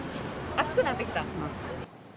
暑くなってきた？